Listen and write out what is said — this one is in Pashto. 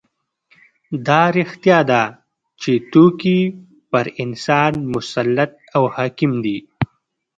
دا رښتیا ده چې توکي پر انسان مسلط او حاکم دي